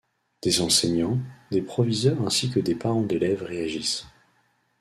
Des enseignants, des proviseurs ainsi que des parents d'élèves réagissent.